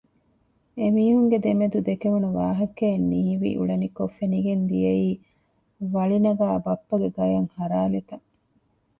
އެމީހުންގެ ދެމެދު ދެކެވުނު ވާހަކައެއް ނީވި އުޅެނިކޮށް ފެނިގެން ދިޔައީ ވަޅި ނަގާ ބައްޕަގެ ގަޔަށް ހަރާލި ތަން